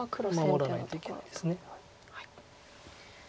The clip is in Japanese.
守らないといけないです。